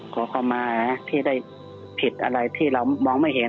ขอเข้ามาที่ได้ผิดอะไรที่เรามองไม่เห็น